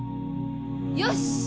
よし！